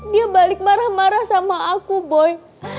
dia balik marah marah sama aku boy